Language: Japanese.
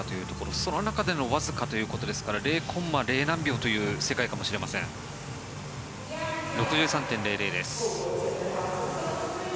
その中でのわずかということですから０コンマ、０何秒という世界かもしれません６３．００です。